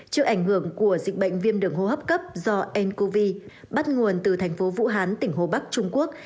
trước ảnh hưởng của dịch bệnh viêm đường hô hấp cấp do ncov bắt nguồn từ thành phố vũ hán tỉnh hồ bắc trung quốc